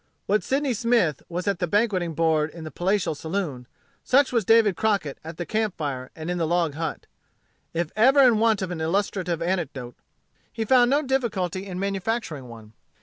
What Sydney Smith was at the banqueting board in the palatial saloon, such was David Crockett at the campfire and in the log hut. If ever in want of an illustrative anecdote he found no difficulty in manufacturing one.